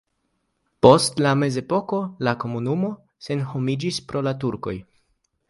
Post la mezepoko la komunumo senhomiĝis pro la turkoj.